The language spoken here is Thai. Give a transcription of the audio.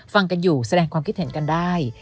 ฟังกันอยู่แสดงความคิดเห็นกันได้